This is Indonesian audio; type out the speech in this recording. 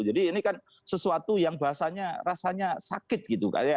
jadi ini kan sesuatu yang bahasanya rasanya sakit gitu